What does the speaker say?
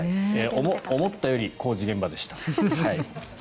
思ったより工事現場でした。